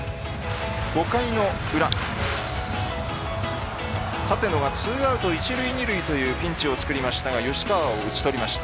５回の裏立野がツーアウト一塁二塁というピンチを作りましたが吉川を打ち取りました。